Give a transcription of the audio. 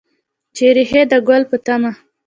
چې ریښې د ګل په تمه